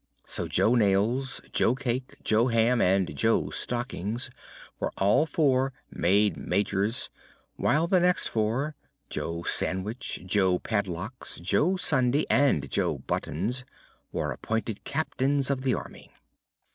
So Jo Nails, Jo Cake, Jo Ham and Jo Stockings were all four made Majors, while the next four Jo Sandwich, Jo Padlocks, Jo Sundae and Jo Buttons were appointed Captains of the Army.